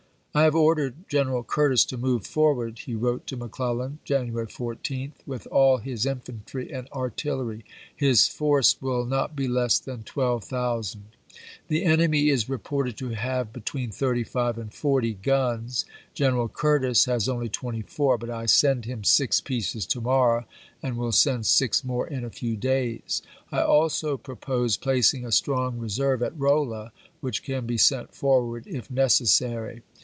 "I have ordered General Curtis to move forward," he wrote to McClellan, January 14th, " with all his infantry and artillery. His force will not be less than 12,000. The enemy HALLECK 93 is reported to have between thirty five and forty chap. v. guns. General Curtis has only twenty four, but I send him six pieces to morrow, and will send six more in a few days. I also propose placing a strong reserve at Rolla, which can be sent forward if necessary.